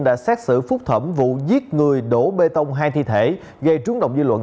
đã xét xử phúc thẩm vụ giết người đổ bê tông hai thi thể gây trúng động dư luận